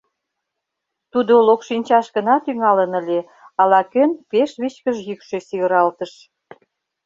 Тудо локшинчаш гына тӱҥалын ыле, ала кӧн пеш вичкыж йӱкшӧ сигыралтыш: